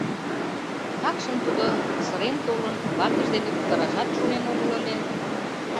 Такшым тудо, сырен толын, ватыж дене кутырашат шонен огыл ыле.